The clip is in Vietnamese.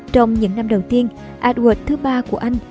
trong những năm đầu tiên edward iii của anh